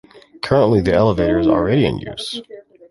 Currently, this elevator is already in use.